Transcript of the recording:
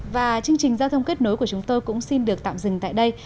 và chương trình giao thông kết nối của chúng tôi cũng xin được tạm dừng tại đây